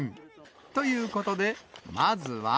ということで、まずは。